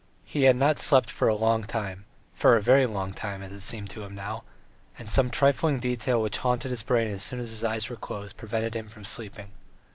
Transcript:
He had not slept for a long time for a very long time, as it seemed to him now, and some trifling detail which haunted his brain as soon as his eyes were closed prevented him from sleeping.